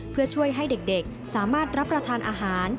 เพื่อช่วยให้เด็กสามารถรับประทานอาหาร